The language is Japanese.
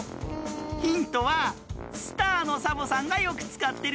ヒントはスターのサボさんがよくつかってるよ。